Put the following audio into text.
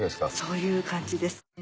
そういう感じです。